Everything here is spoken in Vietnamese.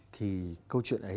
thì câu chuyện ấy